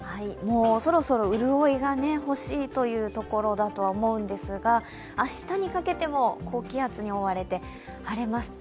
そろそろ潤いが欲しいというところだとは思うんですが、明日にかけても高気圧に覆われて晴れます。